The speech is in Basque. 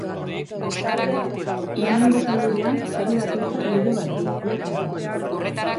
Lehenengo solairuan, zati bakoitzak leiho bat du, ia karratua.